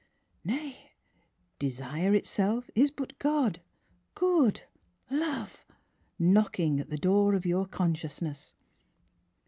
Nay, desire itself is but God — Good — Love, knocking at the door of your consciousness.